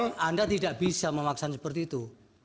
karena anda tidak bisa memaksa seperti itu